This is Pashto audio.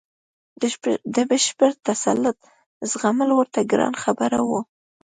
د بشپړ تسلط زغمل ورته ګرانه خبره وه.